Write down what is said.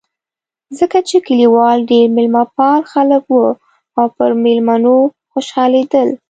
ځکه چې کلیوال ډېر مېلمه پال خلک و او پر مېلمنو خوشحالېدل.